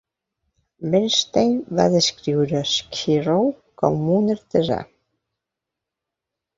Bernstein va descriure Skirrow com "un artesà".